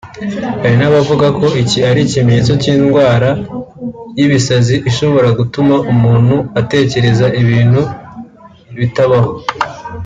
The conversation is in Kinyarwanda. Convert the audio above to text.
Hari n’abavuze ko iki ari ikimenyetso cy’indwara y’ibisazi ishobora gutuma umuntu atekereza ibintu bitabaho